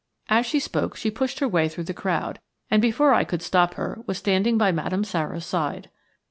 As she spoke she pushed her way through the crowd, and before I could stop her was standing by Madame Sara's side.